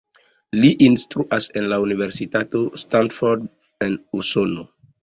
Li instruas en la Universitato Stanford en Usono.